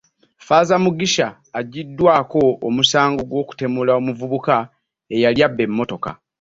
Ffaaza Mugisha aggyiddwako omusango gw'okutemula omuvubuka eyali abba emmotoka